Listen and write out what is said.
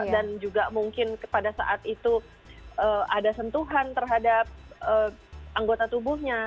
dan juga mungkin pada saat itu ada sentuhan terhadap anggota tubuhnya